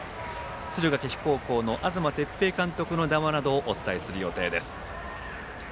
敦賀気比高校の東哲平監督の談話などをお伝えする予定です。